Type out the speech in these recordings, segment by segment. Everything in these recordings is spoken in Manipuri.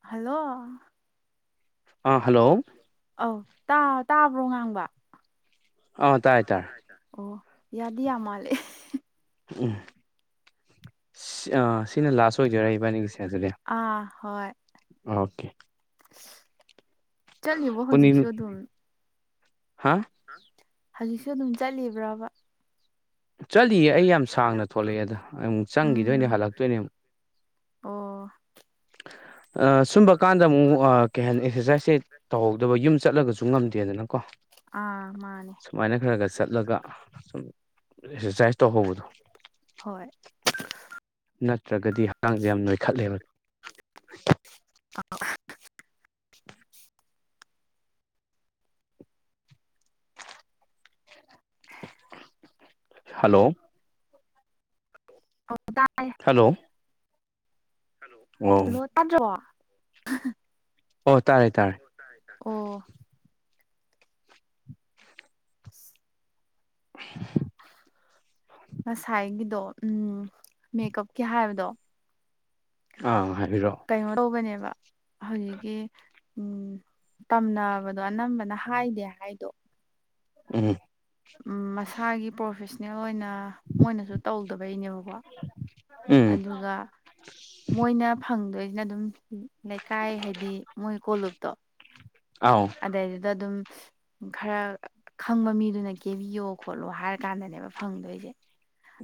ꯍꯜꯂꯣ ꯑꯥ ꯍꯜꯂꯣ ꯑꯧ ꯇꯥ ꯇꯥꯕ꯭ꯔꯣ ꯉꯥꯡꯕ ꯑꯥ ꯇꯥꯏ ꯇꯥꯏ ꯑꯣ ꯌꯥꯗꯤ ꯌꯥ ꯃꯥꯂꯦ ꯎꯝ ꯁꯤ ꯑꯥ ꯁꯤꯅ ꯂꯥꯁ ꯑꯣꯏꯗꯣꯏꯔꯥ ꯏꯕꯥꯅꯤꯒꯤꯁꯦ ꯑꯗꯨꯗꯤ ꯑꯥ ꯍꯣꯏ ꯑꯣꯀꯦ ꯆꯠꯂꯤꯕꯣ ꯍꯧꯖꯤꯛꯁꯨ ꯑꯗꯨꯝ ꯍꯧꯖꯤꯛꯁꯨ ꯑꯗꯨꯝ ꯆꯠꯂꯤꯕ꯭ꯔꯕ ꯆꯠꯂꯤꯌꯦ ꯑꯩ ꯌꯥꯝ ꯁꯥꯡꯅ ꯊꯣꯛꯂꯛꯑꯦꯗꯥ ꯑꯃꯨꯛ ꯆꯪꯒꯤꯗꯣꯏꯅꯦ ꯍꯜꯂꯛꯇꯣꯏꯅꯦ ꯑꯃꯨꯛ ꯑꯣ ꯑꯥ ꯁꯨꯝꯕ ꯀꯥꯟꯗ ꯑꯃꯨꯛ ꯑꯥ ꯀꯩ ꯍꯥꯏꯅꯤ ꯑꯦꯛꯁꯔꯁꯥꯏꯁꯁꯦ ꯇꯧꯍꯧꯗꯕ ꯌꯨꯝ ꯆꯠꯂꯒꯁꯨ ꯉꯝꯗꯦꯗꯅꯀꯣ ꯁꯨꯃꯥꯏꯅ ꯈꯔ ꯈꯔ ꯆꯠꯂꯒ ꯁꯨꯝ ꯑꯦꯛꯁꯔꯁꯥꯏꯁ ꯇꯧꯍꯧꯕꯗꯣ ꯅꯠꯇ꯭ꯔꯒꯗꯤ ꯍꯛꯆꯥꯡꯁꯦ ꯌꯥꯝ ꯅꯣꯏꯈꯠꯂꯦꯕ [unintelligible] ꯍꯜꯂꯣ ꯇꯥꯏꯌꯦ ꯍꯜꯂꯣ ꯍꯜꯂꯣ ꯍꯜꯂꯣ ꯇꯥꯗꯕ꯭ꯔꯣ ꯑꯣ ꯇꯥꯔꯦ ꯇꯥꯔꯦ ꯇꯥꯢ ꯇꯥꯢ ꯑꯣ [unintelligible] [unintelligible] ꯉꯁꯥꯏꯒꯤꯗꯣ ꯎꯝ ꯃꯦꯀꯞꯀꯤ ꯍꯥꯏꯕꯗꯣ ꯑꯥ ꯍꯥꯏꯕꯤꯔꯛꯑꯣ ꯀꯩꯅꯣ ꯇꯧꯕꯅꯦꯕ ꯍꯧꯖꯤꯛꯀꯤ ꯎꯝ ꯇꯝꯅꯕꯗꯣ ꯑꯅꯝꯕꯅ ꯍꯥꯏꯗꯦ ꯍꯥꯏꯗꯣ ꯎꯝ ꯎꯝ ꯃꯁꯥꯒꯤ ꯄ꯭ꯔꯣꯐꯦꯁꯅꯦꯜ ꯑꯣꯏꯅ ꯃꯣꯏꯅꯁꯨ ꯇꯧꯗꯕꯩꯅꯦꯕꯀꯣ ꯑꯗꯨꯒ ꯃꯣꯏꯅ ꯐꯪꯗꯣꯏꯁꯤꯅ ꯑꯗꯨꯝ ꯂꯩꯀꯥꯏ ꯍꯥꯏꯗꯤ ꯃꯣꯏ ꯀꯣꯂꯨꯞꯇꯣ ꯑꯥꯎ ꯑꯗꯩꯗꯨꯗ ꯑꯗꯨꯝ ꯈꯔ ꯈꯪꯕ ꯃꯤꯗꯨꯅ ꯀꯦꯕꯤꯌꯣ ꯈꯣꯠꯂꯣ ꯍꯥꯏꯔ ꯀꯥꯟꯗꯅꯦꯕ ꯐꯪꯗꯣꯏꯁꯦ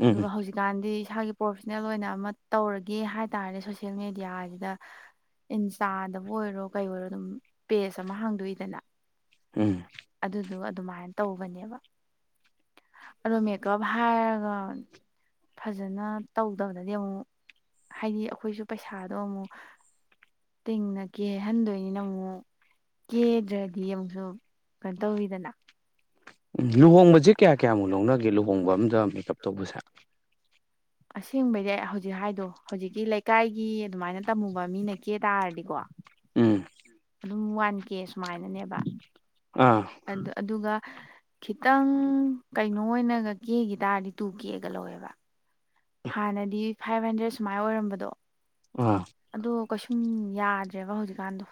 ꯑꯗꯨꯒ ꯍꯧꯖꯤꯛ ꯀꯥꯟꯗꯤ ꯏꯁꯥꯒꯤ ꯄ꯭ꯔꯣꯐꯦꯁꯅꯦꯜ ꯑꯣꯏꯅ ꯑꯃ ꯇꯧꯔꯒꯦ ꯍꯥꯏꯇꯥꯥꯔꯗꯤ ꯁꯣꯁꯤꯌꯦꯜ ꯃꯦꯗꯤꯌꯥꯁꯤꯗ ꯏꯟꯁꯇꯥꯗꯕꯨ ꯑꯣꯏꯔꯣ ꯀꯩ ꯑꯣꯏꯔꯣ ꯑꯗꯨꯝ ꯄꯦꯖ ꯑꯃ ꯍꯥꯡꯗꯣꯛꯏꯗꯅ ꯎꯝ ꯑꯗꯨꯗꯨꯒꯥ ꯑꯗꯨꯃꯥꯏꯅ ꯇꯧꯕꯅꯦꯕ ꯑꯗꯣ ꯃꯦꯀꯞ ꯍꯥꯏꯔꯒ ꯐꯖꯅ ꯇꯧꯗꯕꯗꯗꯤ ꯑꯃꯨꯛ ꯍꯥꯏꯗꯤ ꯑꯩꯈꯣꯏꯁꯨ ꯄꯩꯁꯥꯗꯣ ꯑꯃꯨꯛ ꯇꯤꯡꯅ ꯀꯦꯍꯟꯗꯣꯏꯅꯤꯅ ꯑꯃꯨꯛ ꯀꯦꯗ꯭ꯔꯗꯤ ꯑꯃꯨꯛꯁꯨ ꯀꯩꯅꯣ ꯇꯧꯋꯤꯗꯅ ꯎꯝ ꯂꯨꯍꯣꯡꯕꯁꯦ ꯀꯌꯥ ꯀꯌꯥꯃꯨꯛ ꯂꯧꯅꯒꯦ ꯂꯨꯍꯣꯡꯕ ꯑꯝꯗ ꯃꯦꯀꯞ ꯇꯧꯕꯁꯦ ꯑꯁꯦꯡꯕꯩꯗꯤ ꯍꯧꯖꯤꯛ ꯍꯥꯏꯗꯣ ꯍꯧꯖꯤꯛꯀꯤ ꯂꯩꯀꯥꯏꯒꯤ ꯑꯗꯨꯃꯥꯏꯅ ꯇꯝꯃꯨꯕ ꯃꯤꯅ ꯀꯦ ꯇꯥꯔꯗꯤꯀꯣ ꯎꯝ ꯑꯗꯨꯝ ꯋꯥꯟ ꯀꯦ ꯁꯨꯃꯥꯏꯅꯅꯦꯕ ꯑꯥ ꯑꯗꯨ ꯑꯗꯨꯒ ꯈꯤꯇꯪ ꯀꯩꯅꯣ ꯑꯣꯏꯅꯒ ꯀꯦꯒꯤ ꯇꯥꯔꯗꯤ ꯇꯨ ꯀꯦꯒ ꯂꯧꯋꯦꯕ ꯍꯥꯟꯅꯗꯤ ꯐꯥꯏꯚ ꯍꯟꯗ꯭ꯔꯦꯠ ꯁꯨꯃꯥꯏ ꯑꯣꯏꯔꯝꯕꯗꯣ ꯑ ꯑꯗꯣ ꯀꯩꯁꯨꯝ ꯌꯥꯗ꯭ꯔꯦꯕ ꯍꯧꯖꯤꯛꯀꯥꯟꯗꯣ꯫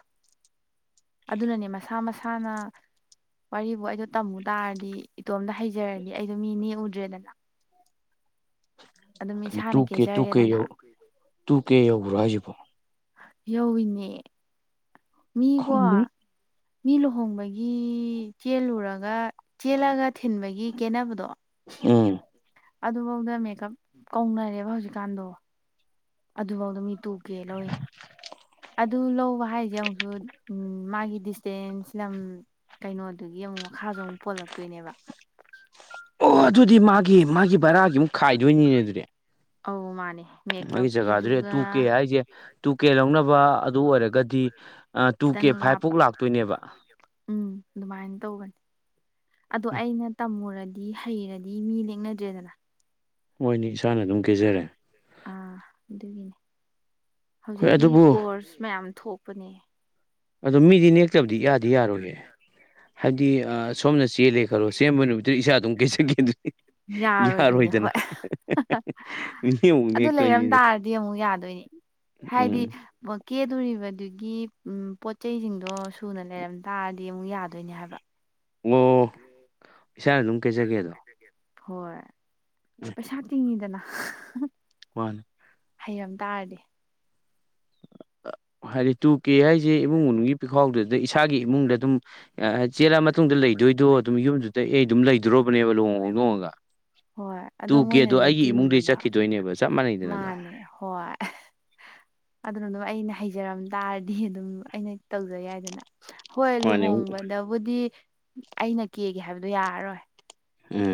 ꯑꯗꯨꯅꯅꯦ ꯃꯁꯥ ꯃꯁꯥꯅ ꯋꯥꯔꯤꯕꯣ ꯑꯩꯗꯣ ꯇꯝꯃꯨ ꯇꯥꯔꯗꯤ ꯏꯇꯣꯝꯗ ꯍꯩꯖꯔꯗꯤ ꯑꯩꯗꯣ ꯃꯤ ꯅꯦꯛꯑꯨꯗ꯭ꯔꯦꯗꯅ꯫ ꯀꯩꯅꯣ ꯇꯨ ꯀꯦ ꯇꯨ ꯀꯦ ꯌꯧ ꯇꯨ ꯀꯦ ꯌꯧꯕꯔꯣ ꯍꯥꯏꯖꯤꯕꯣ꯫ ꯌꯧꯋꯤꯅꯦ ꯃꯤꯀꯣ꯫ ꯃꯤ ꯂꯨꯍꯣꯡꯕꯒꯤ ꯆꯦꯜꯂꯨꯔꯒ ꯆꯦꯜꯂꯒ ꯊꯤꯟꯕꯒꯤ ꯀꯦꯅꯕꯗꯣ꯫ ꯎꯝ꯫ ꯑꯗꯨꯕꯧꯗ ꯃꯦꯀꯞ ꯀꯧꯅꯔꯦꯕ ꯍꯧꯖꯤꯛꯀꯥꯟꯗꯣ꯫ ꯑꯗꯨꯕꯧꯗ ꯃꯤ ꯇꯨꯀꯦ ꯂꯧꯅꯤ꯫ [unintelligible] ꯑꯗꯨ ꯂꯧꯕ ꯍꯥꯏꯁꯦ ꯑꯃꯨꯛꯁꯨ ꯃꯥꯒꯤ ꯗꯤꯁꯇꯦꯟꯁ ꯂꯝ ꯀꯩꯅꯣꯗꯨꯒꯤ ꯑꯃꯨꯛ ꯃꯈꯥꯁꯨ ꯑꯃꯨꯛ ꯄꯣꯜꯂꯛꯇꯣꯏꯅꯦꯕ ꯑꯣ ꯑꯗꯨꯗꯤ ꯃꯥꯒꯤ ꯃꯥꯒꯤ ꯕꯔꯥꯒꯤ ꯑꯃꯨꯛ ꯈꯥꯏꯗꯣꯏꯅꯤꯅꯦ ꯑꯗꯨꯗꯤ ꯑꯧ ꯃꯥꯅꯦ ꯃꯦꯀꯞꯀꯤꯗꯨꯒ ꯑꯩꯁꯦ ꯇꯨ ꯀꯦ ꯂꯧꯅꯕ ꯑꯗꯨ ꯑꯣꯏꯔꯒꯗꯤ ꯇꯨ ꯀꯦ ꯐꯥꯏꯚ ꯐꯧ ꯂꯥꯛꯇꯣꯏꯅꯦꯕ ꯎꯝ ꯑꯗꯨꯃꯥꯏꯅ ꯇꯧꯕꯅꯦ ꯑꯗꯣ ꯑꯩꯅ ꯇꯝꯃꯨꯔꯗꯤ ꯗꯤ ꯍꯩꯔꯗꯤ ꯃꯤ ꯂꯦꯡꯅꯗ꯭ꯔꯦꯗꯅ ꯍꯣꯏꯅꯦ ꯏꯁꯥꯅ ꯑꯗꯨꯝ ꯀꯦꯖꯔꯦ ꯑꯥ ꯑꯗꯨꯒꯤꯅꯦ ꯍꯧꯖꯤꯛꯇꯤ ꯀꯣꯔꯁ ꯃꯌꯥꯝ ꯊꯣꯛꯄꯅꯦ ꯑꯗꯣ ꯃꯤꯗꯤ ꯅꯦꯛꯇꯕꯗꯤ ꯏꯌꯥꯗꯤ ꯌꯥꯔꯣꯏꯌꯦ ꯍꯥꯏꯗꯤ ꯁꯣꯝꯅ ꯆꯦꯜꯂꯦ ꯈꯂꯣ ꯆꯦꯟꯕ ꯅꯨꯃꯤꯠꯇꯨꯗ ꯏꯁꯥ ꯑꯗꯨꯝ ꯀꯦꯁꯟꯒꯤꯗꯣꯏ ꯌꯥꯔꯣꯏꯗꯅ꯫ ꯑꯗꯨ ꯂꯩꯔꯝ ꯇꯥꯔꯗꯤ ꯑꯃꯨꯛ ꯌꯥꯗꯣꯏꯅꯤ ꯍꯥꯏꯗꯤ ꯀꯦꯗꯣꯔꯤꯕꯗꯨꯒꯤ ꯄꯣꯠ ꯆꯩꯁꯤꯡꯗꯣ ꯁꯨꯅ ꯂꯩꯔꯝ ꯇꯥꯔꯗꯤ ꯑꯃꯨꯛ ꯌꯥꯗꯣꯏꯅꯦ ꯍꯥꯏꯕ꯫ ꯑꯣ ꯏꯁꯥꯅ ꯑꯗꯨꯝ ꯏꯁꯥꯅ ꯑꯗꯨꯝ ꯀꯦꯖꯒꯦꯕ ꯍꯣꯏ ꯄꯩꯁꯥ ꯇꯤꯡꯉꯤꯗꯅ꯫ ꯃꯥꯅꯤ꯫ ꯍꯩꯔꯝ ꯇꯥꯔꯗꯤ꯫ ꯍꯥꯏꯔꯤꯠ ꯇꯨ ꯀꯦ ꯍꯥꯏꯖꯦ ꯏꯃꯨꯡ ꯃꯅꯨꯡꯒꯤ ꯄꯤꯈꯥꯎꯗꯨꯗ ꯏꯁꯥꯒꯤ ꯏꯃꯨꯡꯗ ꯑꯗꯨꯝ ꯑ ꯆꯦꯜꯂꯛꯑ ꯃꯇꯨꯡꯗ ꯂꯩꯗꯣꯏꯗꯣ ꯑꯗꯨꯝ ꯌꯨꯝꯗꯨꯗ ꯑꯩ ꯑꯗꯨꯝ ꯂꯩꯗꯔꯣꯕꯅꯦꯕ ꯂꯨꯍꯣꯡ ꯈꯣꯡꯗꯣꯡꯂꯒ꯫ ꯍꯣꯏ ꯑꯗꯣ ꯃꯣꯏꯅꯅꯦ ꯇꯤꯡꯒꯔꯤꯗꯣ [unintelligible] ꯆꯠꯈꯤꯗꯣꯏꯅꯦ ꯃꯥꯅꯦ ꯍꯣꯏ꯫ ꯑꯗꯨꯅ ꯑꯗꯨꯝ ꯑꯩꯅ ꯍꯩꯖꯔꯝ ꯇꯥꯔꯗꯤ ꯑꯗꯨꯝ ꯑꯩꯅ ꯇꯧꯖ ꯌꯥꯏꯗꯅ꯫ ꯍꯣꯏ ꯂꯨꯍꯣꯡꯕꯗꯕꯨꯗꯤ ꯑꯩꯅ ꯀꯦꯒꯦ ꯍꯥꯏꯕꯗꯣ ꯌꯥꯔꯔꯣꯏ꯫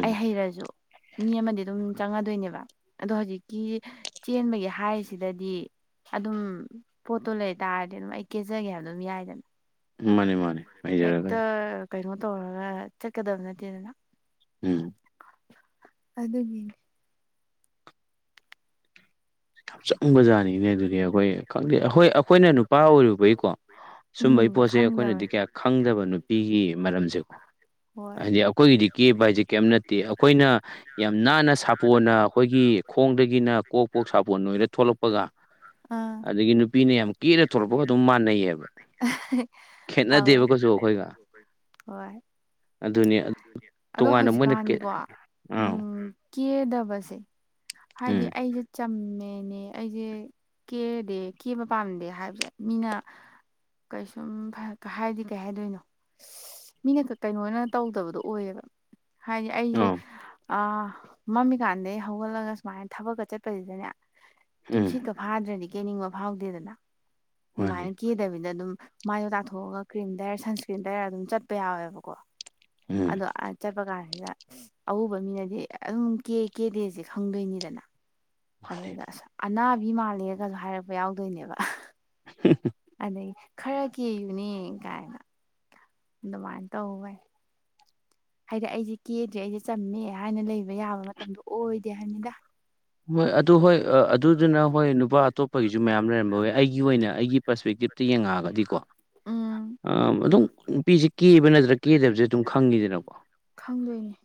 ꯑꯩ ꯍꯩꯔꯖꯨ꯫ ꯃꯤ ꯑꯃꯗꯤ ꯑꯗꯨꯝ ꯆꯪꯉꯗꯣꯏꯅꯦꯕ ꯑꯗꯣ ꯍꯧꯖꯤꯛꯀꯤ ꯆꯦꯟꯕꯒꯤ ꯍꯥꯏꯁꯤꯗꯗꯤ꯫ ꯑꯗꯨꯝ ꯄꯣꯠꯇꯣ ꯂꯩꯇꯥꯥꯔꯗꯤ ꯑꯗꯨꯝ ꯑꯩ ꯀꯦꯖꯒꯦ ꯍꯥꯏꯕꯗꯣ ꯑꯗꯨꯝ ꯌꯥꯏꯗꯅ꯫ ꯎꯝ ꯃꯥꯅꯦ ꯃꯥ ꯍꯦꯛꯇ ꯀꯩꯅꯣ ꯇꯧꯔꯒ ꯆꯠꯀꯗꯕ ꯅꯠꯇꯦꯗꯅ꯫ ꯎꯝ꯫ ꯑꯗꯨꯒꯤꯅꯦ꯫ ꯌꯥꯝ ꯆꯪꯕꯖꯥꯠꯅꯤꯅꯦ ꯑꯗꯨꯗꯤ ꯑꯩꯈꯣꯏ ꯈꯪꯗꯦ ꯑꯩꯈꯣꯏ ꯑꯩꯈꯣꯏꯅ ꯅꯨꯄꯥ ꯑꯣꯏꯔꯨꯕꯩꯀꯣ ꯁꯨꯝꯕꯩ ꯄꯣꯠꯁꯦ ꯑꯩꯈꯣꯏꯅꯗꯤ ꯀꯌꯥ ꯈꯪꯗꯕ ꯅꯨꯄꯤꯒꯤ ꯃꯔꯝꯁꯦꯀꯣ꯫ ꯍꯥꯏꯗꯤ ꯑꯩꯈꯣꯏꯒꯤꯗꯤ ꯀꯦꯕ ꯍꯥꯏꯖꯦ ꯀꯏꯝ ꯅꯠꯇꯦ ꯑꯩꯈꯣꯏꯅ ꯌꯥꯝ ꯅꯥꯟꯅ ꯁꯥꯄꯣꯟꯅ ꯑꯩꯈꯣꯏꯒꯤ ꯈꯣꯡꯗꯒꯤꯅ ꯀꯣꯛ ꯄꯣꯛ ꯁꯥꯄꯣꯟ ꯅꯣꯏꯔ ꯊꯣꯛꯂꯛꯄꯒ ꯑꯗꯒꯤ ꯅꯨꯄꯤꯅ ꯌꯥꯝ ꯀꯦꯔ [unintelligible] ꯂꯛꯄꯒ ꯑꯗꯨꯝ ꯃꯥꯟꯅꯩꯌꯦꯕ ꯈꯦꯠꯅꯗꯦꯕ ꯀꯩꯁꯨ ꯑꯩꯈꯣꯏꯒ꯫ ꯑꯗꯨꯅꯤ ꯇꯣꯉꯥꯟꯅ ꯃꯣꯏꯅ ꯀꯦ ꯑꯥ ꯀꯦꯗꯕꯁꯦ ꯍꯥꯏꯗꯤ ꯑꯩꯖꯦ ꯆꯝꯃꯦꯅꯦ꯫ ꯑꯩꯖꯦ ꯀꯦꯗꯦ ꯀꯦꯕ ꯄꯥꯝꯗꯦ ꯍꯥꯏꯕꯖꯦ ꯃꯤꯅ ꯀꯩꯁꯨꯝ [unintelligible] ꯍꯥꯏꯗꯤ ꯀꯩ ꯍꯥꯏꯗꯣꯏꯅꯣ ꯃꯤꯅ ꯦꯀ ꯀꯩꯅꯣꯅ ꯇꯧꯗꯕꯗꯣ ꯑꯣꯏꯌꯦꯕ ꯍꯥꯏꯗꯤ ꯑꯩꯁꯦ ꯑ ꯃꯝꯃꯤꯀꯥꯟꯗꯒꯤꯩ ꯍꯧꯒꯠꯂꯒ ꯁꯨꯃꯥꯏꯅ ꯊꯕꯛꯀ ꯆꯠꯄꯁꯤꯗꯅꯦ ꯇꯨꯝꯁꯤ ꯀ ꯐꯥꯗ꯭ꯔꯗꯤ ꯀꯦꯅꯤꯡꯕ ꯐꯥꯎꯗꯦꯗꯅ ꯑꯗꯨꯃꯥꯏꯅ ꯀꯦꯗꯕꯤꯗ ꯑꯗꯨꯝ ꯃꯥꯏꯗꯣ ꯇꯥꯊꯣꯛꯑꯒ ꯀ꯭ꯔꯤꯝ ꯗꯗꯥꯏꯔ ꯁꯟꯁꯀ꯭ꯔꯤꯟ ꯗꯏꯔ ꯑꯗꯨꯝ ꯆꯠꯄ ꯌꯥꯎꯋꯦꯕꯀꯣ ꯑꯗꯣ ꯆꯠꯄ ꯀꯥꯟꯁꯤꯗ ꯑꯎꯕ ꯃꯤꯅꯗꯤ ꯑꯗꯨꯝ ꯀꯦ ꯀꯦꯗꯦꯁꯦ ꯈꯪꯗꯣꯏꯅꯤꯗꯅ ꯑꯗꯨꯗꯩꯗ ꯑꯁ ꯑꯅꯥꯕꯤ ꯃꯥꯜꯂꯦꯒꯁꯨ ꯍꯥꯏꯔꯛꯄ ꯌꯥꯎꯗꯣꯏꯅꯦꯕ ꯍꯝꯍꯝ ꯑꯗꯩ ꯈꯔ ꯀꯦꯌꯨꯅꯦ ꯀꯥꯏꯅ ꯑꯗꯨꯃꯥꯏꯅ ꯇꯋꯦ ꯍꯥꯏꯗꯤ ꯑꯩꯁꯦ ꯀꯦꯗ꯭ꯔꯦ ꯑꯩꯁꯦ ꯆꯝꯃꯦ ꯍꯥꯏꯅ ꯂꯩꯕ ꯌꯥꯕ ꯃꯇꯝꯗꯣ ꯑꯣꯏꯗꯦ ꯍꯥꯏꯅꯤꯗ ꯍꯣꯏ ꯑꯗꯨ ꯍꯣꯏ ꯑ ꯑꯗꯨꯗꯨꯅ ꯍꯣꯏ ꯅꯨꯄꯥ ꯑꯇꯣꯞꯄꯒꯤꯁꯨ ꯃꯌꯥꯝ ꯂꯩꯔꯝꯕꯋꯦ ꯑꯩꯒꯤ ꯑꯣꯏꯅ ꯑꯩꯒꯤ ꯄꯔꯁꯄꯦꯛꯇꯤꯞ ꯇꯤ ꯌꯦꯡꯉꯛꯑꯒꯗꯤꯀꯣ ꯑ ꯑꯗꯨꯝ ꯅꯨꯄꯤꯖꯦ ꯀꯦꯕ ꯅꯠꯇ꯭ꯔꯥ ꯀꯦꯗꯕꯖꯦ ꯑꯗꯨꯝ ꯈꯪꯉꯤꯗꯅꯀꯣ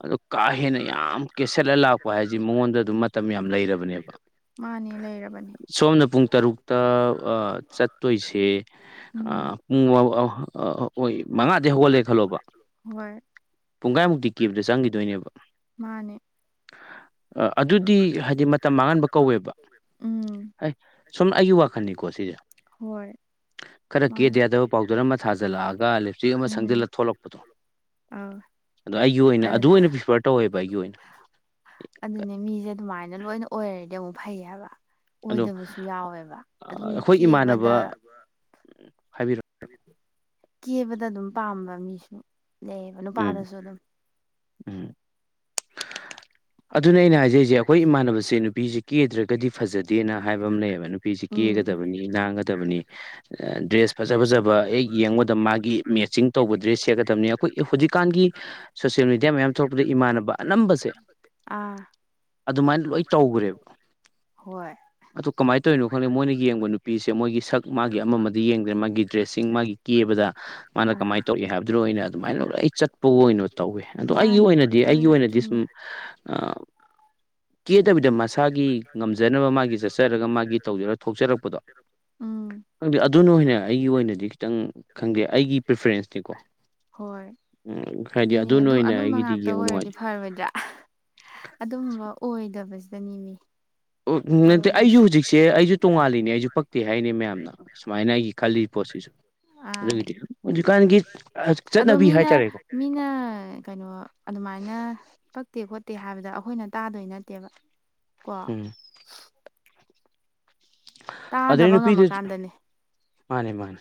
ꯑꯗꯣ ꯀꯥ ꯍꯦꯟꯅ ꯌꯥꯝ ꯀꯦꯁꯜꯂ ꯂꯥꯛꯄ ꯍꯥꯏꯖꯦ ꯃꯉꯣꯟꯗ ꯑꯗꯨꯝ ꯃꯠ ꯃꯇꯝ ꯌꯥꯝ ꯂꯩꯔꯕꯅꯦꯕ ꯁꯣꯝꯅ ꯄꯨꯡ ꯇꯔꯨꯛ ꯇ ꯑ ꯆꯠꯇꯣꯏꯁꯦ ꯑ ꯄꯨꯡ ꯑꯧ ꯑꯧ ꯑ ꯍꯣꯏ ꯃꯉꯥ ꯍꯧꯒꯜꯂꯦ ꯈꯜꯂꯣꯕ ꯄꯨꯡꯒꯥꯏꯃꯨꯛꯇꯤ ꯀꯦꯕꯗ ꯆꯪꯒꯤꯗꯣꯏꯅꯦꯕ꯫ ꯑ ꯑꯠ ꯑꯗꯨꯗꯤ ꯍꯥꯏꯗꯤ ꯃꯇꯝ ꯃꯥꯡꯍꯟꯕ ꯀꯧꯋꯦꯕ ꯍꯩ ꯁꯨꯝ ꯑꯩꯒꯤ ꯋꯥꯈꯟꯅꯤꯀꯣ ꯁꯤꯖꯦ꯫ ꯍꯣꯏ꯫ ꯈꯔ ꯀꯦꯗ ꯌꯥꯗꯕ ꯄꯥꯎꯗꯔ ꯑꯃ ꯊꯥꯖꯜꯂꯛꯑꯒ ꯂꯤꯞꯁꯇꯤꯛ ꯑꯃ ꯁꯪꯖꯤꯜꯂ ꯊꯣꯛꯂꯛꯄꯗꯣ ꯑ ꯑꯗꯣ ꯑꯩꯒꯤ ꯑꯣꯏꯅ ꯑꯗꯨ ꯑꯣꯏꯅ ꯄ꯭ꯔꯤꯐꯔ ꯇꯧꯋꯦꯕ ꯑꯩꯒꯤ ꯑꯣꯏꯅ꯫ ꯑꯗꯨꯅꯦ ꯃꯤꯁꯦ ꯑꯗꯨꯃꯥꯏꯅ ꯂꯣꯏꯅ ꯑꯣꯏꯔꯔꯗꯤ ꯑꯃꯨꯛ ꯐꯩꯌꯦꯕ ꯑꯣꯏꯗꯕꯁꯨ ꯌꯥꯎꯋꯦꯕ ꯑꯗꯨꯝ ꯀꯦꯕꯗ ꯍꯥꯏꯕꯤꯔꯛꯑꯣ ꯀꯦꯕꯗ ꯑꯗꯨꯝ ꯄꯥꯝꯕ ꯃꯤꯁꯨ ꯂꯩꯌꯦꯕ ꯅꯨꯄꯥꯗꯁꯨ ꯑꯗꯨꯝ ꯎꯝ ꯑꯗꯨꯅ ꯑꯩꯅ ꯍꯥꯏꯖꯔꯤꯁꯦ ꯑꯩꯈꯣꯏ ꯏꯃꯥꯟꯅꯕꯁꯦ ꯅꯨꯄꯤꯁ ꯀꯦꯗ꯭ꯔꯒꯗꯤ ꯐꯖꯗꯦꯅ ꯍꯥꯏꯕ ꯑꯃ ꯂꯩꯌꯦꯕ ꯅꯨꯄꯤꯁꯤ ꯀꯦꯒꯗꯕꯅꯤ ꯥꯡꯒꯗꯕꯅꯤ ꯗ꯭ꯔꯦꯁ ꯐꯖ ꯐꯖꯕ ꯍꯦꯛ ꯌꯦꯡꯕꯗ ꯃꯥꯒꯤ ꯃꯦꯠꯆꯤꯡ ꯇꯧꯕꯗꯦ ꯁꯦꯠꯀꯗꯕꯅꯤ ꯑꯩꯈꯣꯏ ꯍꯧꯖꯤꯛꯀꯥꯟꯒꯤ ꯁꯣꯁꯌꯦꯦꯜ ꯃꯦꯗꯤꯌꯥ ꯃꯌꯥꯝ ꯊꯣꯛꯂꯛꯄꯗ ꯏꯃꯥꯟꯅꯕ ꯑꯅꯝꯕꯁꯦ ꯑꯗꯨꯃꯥꯏꯅ ꯂꯣꯏ ꯇꯧꯈ꯭ꯔꯦꯕ ꯍꯣꯏ ꯑꯗꯨꯣ ꯀꯃꯥꯏꯅ ꯇꯧꯔꯤꯅꯣ ꯈꯪꯗꯦ ꯃꯣꯏꯅ ꯌꯦꯡꯕ ꯅꯨꯄꯤꯁꯦ ꯃꯣꯏꯒꯤ ꯁꯛ ꯃꯥꯒꯤ ꯑꯃꯗꯤ ꯌꯦꯡꯗ꯭ꯔꯦ ꯃꯥꯒꯤ ꯗ꯭ꯔꯦꯁꯁꯦ ꯤꯡ ꯃꯥꯒꯤ ꯀꯦꯕꯗ ꯃꯥꯅ ꯀꯃꯥꯏꯅ ꯇꯧꯏ ꯍꯥꯏꯕꯗꯨ ꯑꯣꯏꯅ ꯑꯗꯨꯃꯥꯏꯅ ꯂ ꯆꯠꯄꯕꯨ ꯑꯣꯏꯅꯣ ꯇꯧꯋꯦ ꯑꯗꯣ ꯑꯩꯒꯤ ꯑꯣꯏꯅꯗꯤ ꯑꯩꯒꯤ ꯑꯣꯏꯅꯗꯤ ꯁꯨꯝ [inaudible] ꯀꯦꯗꯕꯤꯗ ꯃꯁꯥꯒꯤ ꯉꯝꯖꯅꯕ ꯃꯥꯒꯤ ꯆꯠꯆꯔꯒ ꯃꯥꯒꯤ ꯇꯧꯖꯔꯒ ꯊꯣꯛꯆꯔꯛꯄꯗꯣ ꯪ ꯑꯗꯨꯅ ꯑꯣꯏꯅ ꯑꯩꯒꯤ ꯑꯣꯏꯅꯗꯤ ꯈꯤꯇꯪ ꯈꯪꯗꯦ ꯑꯩꯒꯤ ꯄ꯭ꯔꯤꯐꯔꯦꯟꯁꯅꯤꯀꯣ ꯍꯣꯏ ꯎꯝ ꯑꯗꯨꯏꯅꯦ ꯑꯗꯨꯝ ꯑꯗꯨꯝꯕ ꯉꯥꯛꯇ ꯑꯣꯏꯔꯗꯤ ꯐꯔꯦ ꯔꯤꯏꯗ꯭ꯔꯥ ꯑꯗꯨꯝꯕ ꯑꯣꯏꯗꯕꯁꯤꯗꯅꯦ ꯃꯤ ꯑꯣ ꯎ ꯅꯠꯇꯦ ꯑꯩꯁꯨ ꯍꯧꯖꯤꯛꯁꯦ ꯑꯩꯁꯨ ꯇꯣꯡꯉꯥꯜꯂꯤꯅꯦ ꯑꯩꯁꯨ ꯄꯛꯇꯦ ꯍꯥꯏꯅꯦ ꯃꯌꯥꯝꯅ ꯁꯨꯃꯥꯏꯅ ꯑꯩꯒꯤ ꯈꯜꯂꯤ ꯄꯣꯠꯁꯤꯁꯨ ꯑꯗꯨꯒꯤꯗꯤ ꯍꯧꯖꯤꯛꯀꯥꯟꯒꯤ ꯑꯍ ꯆꯠꯅꯕꯤ ꯍꯥꯏꯇꯥꯔꯦꯀꯣ ꯃꯤꯅ ꯀꯩꯅꯣ ꯑꯗꯨꯃꯥꯏꯅ ꯀꯛꯇꯦ ꯈꯣꯠꯇꯦ ꯍꯥꯏꯕꯗ ꯑꯩꯈꯣꯏꯅ ꯇꯥꯗꯣꯏ ꯅꯠꯇꯦꯕ ꯍꯝ ꯑꯗꯨꯗꯩ ꯅꯨꯄꯤꯗꯨꯁꯨ ꯃꯥꯅꯦ ꯃꯥꯅꯦ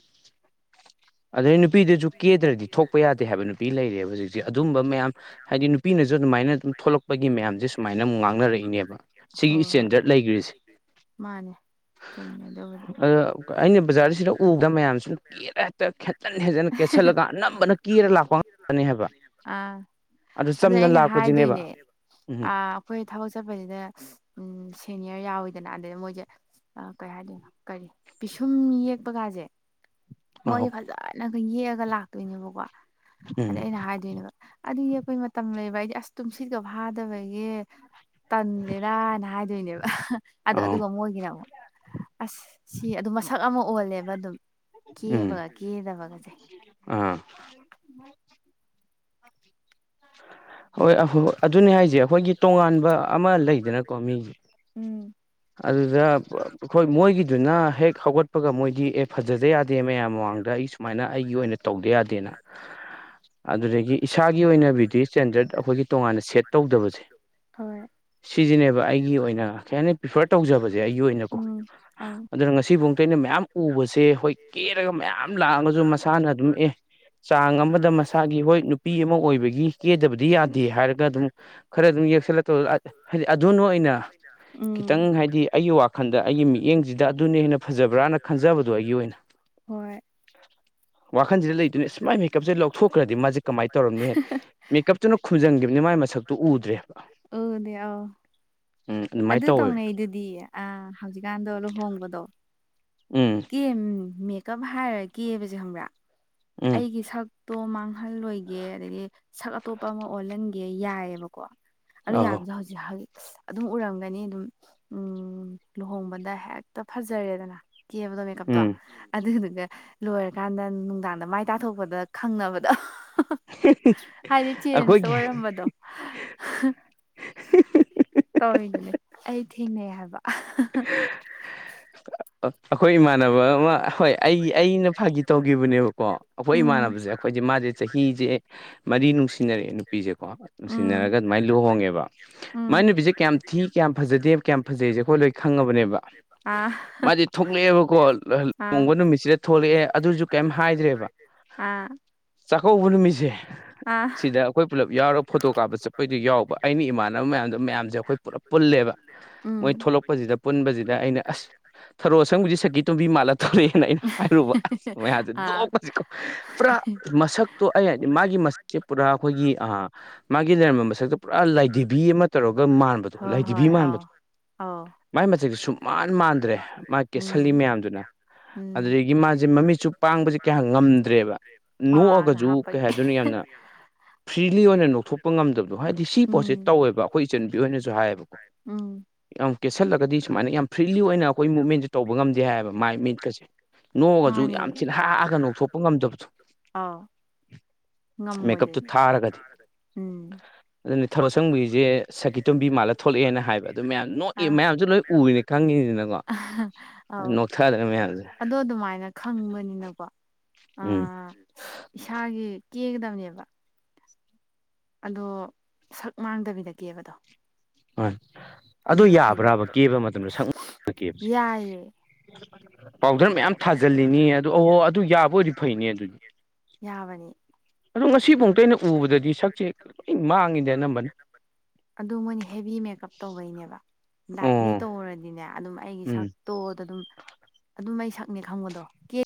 ꯑꯗꯩ ꯅꯨꯄꯤꯗꯨꯁꯨ ꯀꯦꯗ꯭ꯔꯗꯤ ꯊꯣꯛꯄ ꯌꯥꯗꯦ ꯍꯥꯏꯕ ꯅꯨꯄꯤ ꯂꯩꯔꯦꯕ ꯍꯧꯖꯤꯛꯁꯦ ꯑꯗꯨꯝꯕ ꯃꯌꯥꯝ ꯍꯥꯏꯗꯤ ꯅꯨꯄꯤꯅꯁꯨ ꯑꯗꯨꯃꯥꯏꯅ ꯑꯗꯨꯝ ꯊꯣꯛꯂꯛꯄꯒꯤ ꯃꯌꯥꯝꯁꯦ ꯁꯨꯃꯥꯏꯅ ꯑꯃꯨꯛ ꯉꯥꯡꯅꯔꯛꯏꯅꯦꯕ ꯁꯤꯒꯤ ꯏꯁꯇꯦꯟꯗꯔꯠ ꯂꯩꯒ꯭ꯔꯤꯁꯤ ꯃꯥꯅꯦ ꯑ ꯑꯩꯅ ꯕꯖꯥꯔꯁꯤꯗ ꯎꯕꯗ ꯃꯌꯥꯝ ꯁꯨꯝ ꯀꯦꯔ ꯍꯦꯛꯇ ꯈꯦꯠꯇꯟ [unintelligible] ꯐꯖꯅ ꯀꯦꯠꯁꯜꯂꯒ ꯑꯅꯝꯕꯅ ꯀꯦꯔꯥ ꯂꯥꯛꯄ ꯉꯥꯛꯇꯅꯤ ꯍꯥꯏꯕ ꯑꯗꯨ ꯆꯝꯅ ꯂꯥꯛꯄꯖꯤꯅꯦꯕ ꯎꯝ ꯍꯣꯏ ꯊꯕꯛ ꯆꯠꯄꯖꯤꯗ ꯎꯝ ꯁꯦꯅꯤꯌꯔ ꯌꯥꯎꯋꯤꯗꯅ ꯑꯗꯩꯗ ꯃꯣꯏꯖꯦ ꯑ ꯀꯩ ꯍꯥꯏꯗꯣꯏꯅꯣ ꯀꯔꯤ ꯄꯤꯁꯨꯝ ꯌꯦꯛꯄꯒꯥꯖꯦ ꯃꯣꯏ ꯐꯖꯅꯒ ꯌꯦꯛꯑꯒ ꯂꯥꯛꯇꯣꯏꯅꯦꯕꯀꯣ ꯑꯗ ꯑꯩꯅ ꯍꯥꯏꯗꯣꯏꯅꯦꯕ ꯑꯗꯨ ꯌꯦꯛꯄꯩ ꯃꯇꯝ ꯂꯩꯕ꯭ꯔ ꯑꯩꯗꯤ ꯑꯁ ꯇꯨꯝꯁꯤꯠꯀ ꯐꯥꯗꯕꯒꯤ ꯇꯟꯂꯦꯗꯅ ꯍꯥꯏꯗꯣꯏꯅꯦꯕ ꯑꯗꯣ ꯑꯗꯨꯒ ꯃꯣꯏꯒꯤꯅ ꯑꯃꯨꯛ ꯑꯁ ꯁꯤ ꯑꯗꯨ ꯃꯁꯛ ꯑꯃ ꯑꯣꯜꯂꯦꯕ ꯑꯗꯨꯝ ꯀꯦꯕꯒ ꯀꯦꯗꯕ ꯑꯥ [unintelligible] ꯍꯣꯏ [unintelligible] ꯑꯗꯨꯅꯤ ꯍꯥꯏꯖꯦ ꯑꯩꯈꯣꯏꯒꯤ ꯇꯣꯉꯥꯟꯕ ꯑꯃ ꯂꯩꯗꯅꯀꯣ ꯃꯤꯖꯦ ꯑꯗꯨꯗ ꯍꯣꯏ ꯃꯣꯏꯒꯤꯗꯨꯅ ꯍꯦꯛ ꯍꯧꯒꯠꯄꯒ ꯃꯣꯏꯗꯤ ꯑꯦ ꯐꯖꯗ ꯌꯥꯗꯦ ꯃꯌꯥꯝ ꯃꯃꯥꯡꯗ ꯑꯩ ꯁ ꯁꯨꯃꯥꯏꯅ ꯑꯩꯒꯤ ꯑꯣꯏꯅ ꯇꯧꯗ ꯌꯥꯗꯦꯅ ꯑꯗꯨꯗꯒꯤ ꯏꯁꯥꯒꯤ ꯑꯣꯏꯅꯕꯤ ꯗꯤꯆꯦꯟꯖꯦꯠ ꯑꯩꯈꯣꯏꯒꯤ ꯇꯣꯉꯥꯟꯅ ꯁꯦꯠ ꯇꯧꯗꯕꯖꯦ ꯁꯤꯖꯤꯅꯦꯕ ꯑꯩꯒꯤ ꯑꯣꯏꯅ ꯀꯩ ꯍꯥꯏꯅꯤ ꯄ꯭ꯔꯤꯐꯔ ꯇꯧꯖꯕꯁꯦ ꯑꯩꯒꯤ ꯑꯣꯏꯅꯀꯣ ꯑꯗꯨꯅ ꯉꯁꯤꯕꯧꯇ ꯑꯩꯅ ꯃꯌꯥꯝ ꯎꯕꯁꯦ ꯍꯣꯏ ꯀꯦꯔꯒ ꯃꯌꯥꯝ ꯂꯥꯛꯑꯒꯁꯨ ꯃꯁꯥꯅ ꯑꯗꯨꯝ ꯑꯦ ꯆꯥꯡ ꯑꯃꯗ ꯃꯁꯥꯒꯤ ꯍꯣꯏ ꯅꯨꯄꯤ ꯑꯃ ꯑꯣꯏꯕꯒꯤ ꯀꯦꯗꯕꯗꯤ ꯌꯥꯗꯦ ꯍꯥꯏꯔꯒ ꯑꯗꯨꯝ ꯈꯔ ꯑꯗꯨꯝ ꯌꯦꯛꯁꯜꯂꯛꯇꯧ [unintelligible] ꯍꯥꯏꯗꯤ ꯑꯗꯨꯅ ꯑꯣꯏꯅ [unintelligible] ꯈꯤꯇꯪ ꯍꯥꯏꯗꯤ ꯑꯩꯒꯤ ꯋꯥꯈꯟꯗ ꯑꯩꯒꯤ ꯃꯤꯠꯌꯦꯡꯖꯤꯗ ꯑꯗꯨꯅ ꯍꯦꯟꯅ ꯐꯖꯕ꯭ꯔꯥꯅ ꯈꯟꯖꯕꯗꯣ ꯑꯩꯒꯤ ꯑꯣꯏꯅ ꯍꯣꯏ ꯋꯥꯈꯜꯖꯤꯗ ꯂꯩꯗꯣꯏꯅꯦ ꯑꯁ ꯃꯥꯏ ꯃꯦꯀꯞꯁꯦ ꯂꯧꯊꯣꯛꯈ꯭ꯔꯗꯤ ꯃꯥꯖꯦ ꯀꯃꯥꯏ ꯇꯧꯔꯝꯅꯤ ꯑꯅꯦ [unintelligible] ꯑꯗꯨ ꯇꯧꯅꯩꯗꯨꯗꯤ ꯑ ꯍꯧꯖꯤꯛꯀꯥꯟꯗꯣ ꯂꯨꯍꯣꯡꯕꯗꯣ ꯎꯝ ꯀꯦꯝ ꯃꯦꯀꯞ ꯍꯥꯏꯔ ꯀꯦꯕꯖꯦ ꯈꯪꯕ꯭ꯔꯥ ꯑꯩꯒꯤ ꯁꯛ ꯇꯣ ꯃꯥꯡꯍꯜꯂꯣꯏꯒꯦ ꯑꯗꯒꯤ ꯁꯛ ꯑꯇꯣꯞꯄ ꯑꯃ ꯑꯣꯜꯍꯟꯒꯦ ꯌꯥꯏꯌꯦꯕꯀꯣ ꯑꯗꯨ ꯌꯥꯕꯗꯣ ꯍꯧꯖꯤꯛ ꯍꯧꯖꯤꯛ [unintelligible] ꯑꯗꯨꯝ ꯎꯔꯝꯒꯅꯤ ꯑꯗꯨꯝ ꯎꯝ ꯂꯨꯍꯣꯡꯕꯗ ꯍꯦꯛꯇ ꯐꯖꯔꯦꯗꯅ ꯀꯦꯕꯗꯣ ꯃꯦꯀꯞꯇꯣ ꯑꯗꯨꯗꯨꯒ ꯂꯣꯏꯔꯀꯥꯟꯗ ꯅꯨꯡꯗꯥꯡ ꯑꯗ ꯃꯥꯏ ꯇꯥꯊꯣꯛꯄꯗ ꯈꯪꯅꯕꯗꯣ ꯍꯥꯏꯗꯤ ꯆꯦꯟꯁ ꯑꯣꯏꯔꯝꯕꯗꯣ ꯇꯧꯔꯤꯗꯨꯅꯦ ꯑꯩ ꯊꯦꯡꯅꯩ ꯍꯥꯏꯕ [unintelligible] ꯑ ꯑꯩꯈꯣꯏ ꯏꯃꯥꯟꯅꯕ ꯑꯃ ꯍꯣꯏ ꯑꯩ ꯑꯩꯅ ꯐꯥꯒꯤ ꯇꯧꯒꯤꯕꯅꯦꯕꯀꯣ ꯑꯩꯈꯣꯏ ꯏꯃꯥꯟꯅꯕꯖꯦ ꯑꯩꯈꯣꯏꯖꯦ ꯃꯥꯖꯦ ꯆꯍꯤꯖꯦ ꯃꯔꯤ ꯅꯨꯡꯁꯤꯅꯔꯛꯑꯦ ꯅꯨꯄꯤꯖꯦꯀꯣ ꯅꯨꯡꯁꯤꯟꯅꯔꯒ ꯑꯗꯨꯃꯥꯏ ꯂꯨꯍꯣꯡꯉꯦꯕ ꯃꯥꯏ ꯅꯨꯄꯤꯖꯦ ꯀꯌꯥꯝ ꯊꯤ ꯀꯌꯥꯝ ꯐꯖꯗꯦ ꯀꯌꯥꯝ ꯐꯖꯩꯖꯦ ꯑꯩꯈꯣꯏ ꯂꯣꯏ ꯈꯪꯉꯕꯅꯦꯕ ꯑꯥ ꯃꯥꯗꯤ ꯊꯣꯛꯂꯛꯑꯦꯕꯀꯣ [unintelligible] ꯂꯨꯍꯣꯡꯕ ꯅꯨꯃꯤꯠꯁꯤꯗ ꯊꯣꯛꯂꯛꯑꯦ ꯑꯗꯨꯁꯨ ꯀꯩꯝ ꯍꯥꯏꯗ꯭ꯔꯦꯕ ꯑꯥ ꯆꯥꯛꯀꯧꯕ ꯅꯨꯃꯤꯠꯁꯦ ꯁꯤꯗ ꯑꯩꯈꯣꯏ ꯄꯨꯜꯂꯞ ꯌꯥꯎꯔ ꯐꯣꯇꯣ ꯀꯥꯞꯄ ꯆꯠꯄꯩꯗꯨ ꯌꯥꯎꯕ ꯑꯩꯅ ꯏꯃꯥꯟꯅꯕ ꯃꯌꯥꯝꯗ ꯃꯌꯥꯝꯖꯦ ꯑꯩꯈꯣꯏ ꯄꯨꯂꯞ ꯄꯨꯜꯂꯦꯕ ꯃꯣꯏ ꯊꯣꯛꯂꯛꯄꯖꯤꯗ ꯄꯨꯟꯕꯖꯤꯗ ꯑꯩꯅ ꯑꯁ ꯊꯔꯣꯑꯁꯪꯕꯤꯖꯦ ꯁꯈꯤꯇꯣꯝꯕꯤ ꯃꯥꯜꯂ ꯊꯣꯔꯛꯑꯦꯅ ꯑꯩꯅ ꯍꯥꯏꯔꯨꯕ ꯑꯁ ꯃꯌꯥꯝꯖꯦ ꯅꯣꯛꯄꯖꯤꯀꯣ ꯄꯨꯔꯥ ꯃꯁꯛꯇꯣ ꯑꯩ ꯍꯥꯏꯗꯤ ꯃꯥꯒꯤ ꯃꯁꯛꯁꯦ ꯄꯨꯔꯥ ꯑꯩꯈꯣꯏꯒꯤ ꯑ ꯃꯥꯒꯤ ꯂꯩꯔꯝꯕ ꯃꯁꯛꯇ ꯄꯨꯔꯥ ꯂꯥꯏꯙꯤꯕꯤ ꯑꯃ ꯇꯧꯔꯒ ꯃꯥꯟꯕꯗꯣ ꯂꯥꯏꯙꯤꯕꯤ ꯃꯥꯟꯕꯗꯣ ꯑꯥꯎ ꯃꯥꯏ ꯃꯁꯛꯖ ꯁꯨꯛꯃꯥꯟ ꯃꯥꯟꯗ꯭ꯔꯦ ꯃꯥ ꯀꯦꯁꯜꯂꯤ ꯃꯌꯥꯝꯗꯨꯅ ꯑꯗꯨꯗꯒꯤ ꯃꯥꯖꯦ ꯃꯃꯤꯠꯁꯨ ꯄꯥꯡꯕꯁꯦ ꯀꯌꯥ ꯉꯝꯗ꯭ꯔꯦꯕ ꯅꯣꯛꯑꯒꯁꯨ ꯀꯩ ꯍꯥꯏꯗꯣꯏꯅꯣ ꯌꯥꯝꯅ ꯐ꯭ꯔꯤꯂꯤ ꯑꯣꯏꯅ ꯅꯣꯛꯊꯣꯛꯄ ꯉꯝꯗꯕꯗꯣ ꯍꯥꯏꯗꯤ ꯁꯤ ꯄꯣꯠꯁꯦ ꯇꯧꯋꯦꯕ ꯑꯩꯈꯣꯏ ꯏꯆꯟꯅꯨꯄꯤ ꯍꯣꯏꯅꯁꯨ ꯍꯥꯏꯌꯦꯕꯀꯣ ꯌꯥꯝ ꯀꯦꯠꯁꯜꯂꯒꯗꯤ ꯁꯨꯃꯥꯏꯅ ꯌꯥꯝ ꯐ꯭ꯔꯤꯂꯤ ꯑꯣꯏꯅ ꯑꯩꯈꯣꯏ ꯃꯨꯞꯃꯦꯟꯁꯦ ꯇꯧꯕ ꯉꯝꯗꯦ ꯍꯥꯏꯌꯦꯕ ꯃꯥꯏ ꯃꯤꯠꯀꯁꯦ ꯅꯣꯛꯑꯒꯁꯨ ꯌꯥꯝ ꯊꯤꯅ ꯍꯑꯒ ꯅꯣꯛꯊꯣꯛꯄ ꯉꯝꯗꯕꯁꯨ ꯉꯝꯃꯣꯏꯗꯣꯏꯅꯦ ꯎꯝ ꯑꯗꯨꯅ ꯊꯧꯔꯣ ꯁꯪꯕꯤꯁꯦ ꯁꯥꯀꯤ ꯇꯣꯝꯕꯤ ꯃꯥꯜꯂ ꯊꯣꯛꯂꯛꯑꯦꯅ ꯍꯥꯏꯕ ꯑꯗꯨ ꯃꯌꯥꯝ ꯅꯣꯛꯏ ꯃꯌꯥꯝꯁꯨ ꯂꯣꯏ ꯎꯔꯤꯅꯦ ꯈꯪꯉꯤꯅꯤꯗꯅꯀꯣ ꯅꯣꯛꯊꯗ꯭ꯔꯦ ꯃꯌꯥꯝꯁꯦ ꯑꯗꯣ ꯑꯗꯨꯃꯥꯏꯅ ꯈꯪꯕꯅꯤꯅꯀꯣ ꯑꯥ ꯑ ꯏꯁꯥꯒꯤ ꯀꯦꯛꯒꯗꯕꯅꯦꯕ ꯑꯗꯣ ꯁꯛ ꯃꯥꯡꯗꯕꯤꯗ ꯀꯦꯕꯗꯣ ꯑꯗꯨꯅ ꯐꯩꯩꯅ ꯌꯥꯏꯌꯦ ꯄꯥꯎꯗꯔ ꯃꯌꯥꯝ ꯊꯥꯖꯤꯜꯂꯤꯅꯦ ꯑꯗꯣ ꯑꯗꯨ ꯌꯥꯕꯗꯤ ꯐꯩꯅꯦ ꯌꯥꯕꯅꯤ ꯑꯗꯣ ꯉꯁꯤꯐꯥꯎꯗ ꯑꯩꯅ ꯎꯕꯗꯗꯤ ꯁꯛꯁꯦ ꯂꯣꯏ ꯃꯥꯡꯉꯤꯗ ꯑꯅꯝꯕꯅ ꯑꯗꯨ ꯃꯣꯏꯅ ꯍꯦꯚꯤ ꯃꯦꯀꯞ ꯇꯧꯕꯩꯅꯦꯕ ꯂꯥꯏꯠꯂꯤ ꯇꯧꯔꯗꯤꯅꯦ ꯑꯗꯨꯝ ꯑꯩꯒꯤ ꯁꯛ ꯇꯣꯗ ꯑꯗꯨꯝ ꯑꯗꯨ ꯃꯩ ꯁꯛꯅꯦ ꯈꯪꯕꯗꯣ